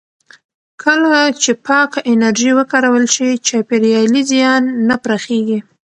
کله چې پاکه انرژي وکارول شي، چاپېریالي زیان نه پراخېږي.